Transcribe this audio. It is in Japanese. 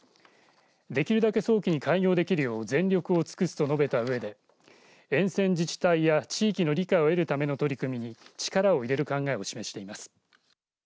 できるだけ早期に開業できるよう全力を尽くすと述べたうえで沿線自治体や地域の理解を得るための取り組みに力を入れる考えを示しています。